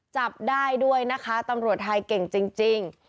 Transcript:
จับได้ด้วยนะคะตำรวจไทยเก่งจริง